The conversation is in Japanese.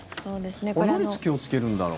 何に気をつけるんだろう。